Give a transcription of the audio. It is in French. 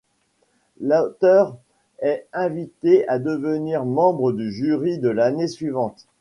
L'auteur est invité à devenir membre du jury de l'année suivante.